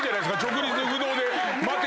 直立不動で待て。